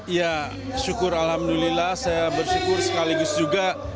ya syukur alhamdulillah saya bersyukur sekaligus juga